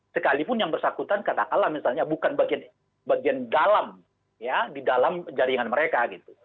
sekalipun yang bersakutan katakanlah misalnya bukan bagian dalam jaringan mereka